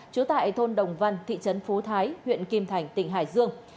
chứa tại thôn đồng văn thị trấn phú thái huyện kim thành tỉnh hải dương